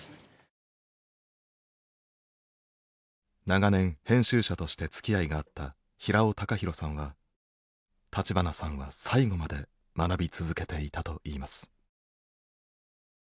長年編集者としてつきあいがあった平尾隆弘さんは立花さんは最後まで学び続けていたといいます。